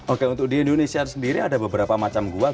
oke untuk di indonesia sendiri ada beberapa macam gua